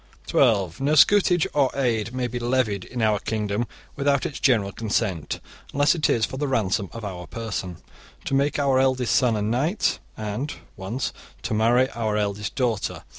(12) No 'scutage' or 'aid' may be levied in our kingdom without its general consent, unless it is for the ransom of our person, to make our eldest son a knight, and (once) to marry our eldest daughter.